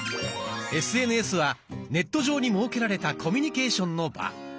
ＳＮＳはネット上に設けられたコミュニケーションの場。